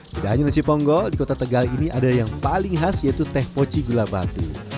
tidak hanya nasi ponggol di kota tegal ini ada yang paling khas yaitu teh poci gula batu